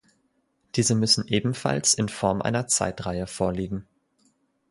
Diese müssen ebenfalls in Form einer Zeitreihe vorliegen.